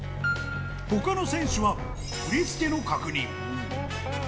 ほかの選手は振り付けの確認。